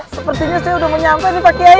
sepertinya saya udah menyehangkan pak kiai